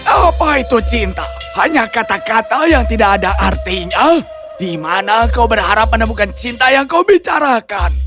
apa itu cinta hanya kata kata yang tidak ada artinya di mana kau berharap menemukan cinta yang kau bicarakan